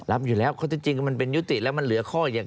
รับอยู่แล้วข้อที่จริงมันเป็นยุติแล้วมันเหลือข้ออย่าง